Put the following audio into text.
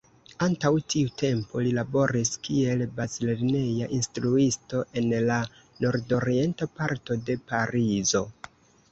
Antaŭ tiu tempo li laboris kiel bazlerneja instruisto en la nordorienta parto de Parizo.